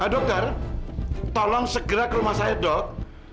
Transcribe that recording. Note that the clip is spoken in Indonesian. dokter tolong segera ke rumah saya dok